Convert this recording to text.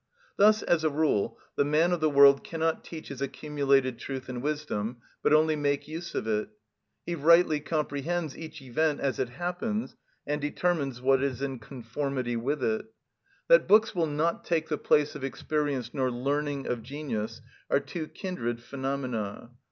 Thus, as a rule, the man of the world cannot teach his accumulated truth and wisdom, but only make use of it; he rightly comprehends each event as it happens, and determines what is in conformity with it. That books will not take the place of experience nor learning of genius are two kindred phenomena.